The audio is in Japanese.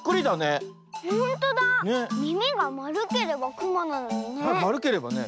みみがまるければくまなのにね。